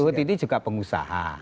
luhut ini juga pengusaha